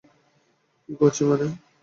কী করছি মানে?